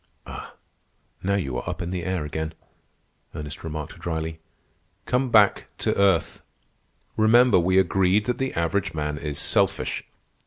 "Ah, now you are up in the air again," Ernest remarked dryly. "Come back to earth. Remember, we agreed that the average man is selfish."